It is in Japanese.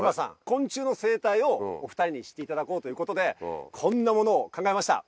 昆虫の生態をお２人に知っていただこうということでこんなものを考えました。